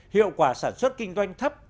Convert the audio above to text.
hiệu quả sản xuất kinh doanh thấp